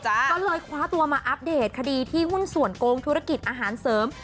ก็เลยคว้าตัวมาอัปเดตคดีที่หุ้นส่วนโกงธุรกิจอาหารเสริม